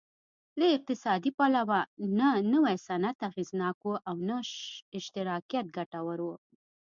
له اقتصادي پلوه نه نوی صنعت اغېزناک و او نه اشتراکیت ګټور و